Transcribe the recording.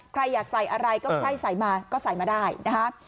ใครอยากใส่อะไรก็ใครใส่มาก็ใส่มาได้นะคะ